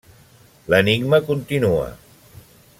L'enigma continua.